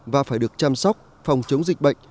và phải được chăm sóc phòng chống dịch bệnh